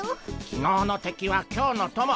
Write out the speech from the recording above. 昨日の敵は今日の友。